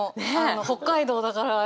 北海道だから。